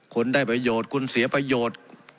คุณได้ประโยชน์คุณเสียประโยชน์